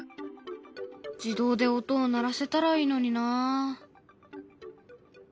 自動で音を鳴らせたらいいのにな。